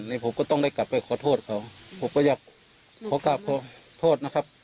นี่ผมก็ต้องได้กลับไปขอโทษเขาผมก็อยากขอกลับขอโทษนะครับ